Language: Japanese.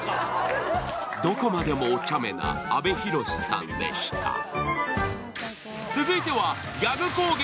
どこまでもおちゃめな阿部寛さんでした。